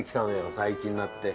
最近になって。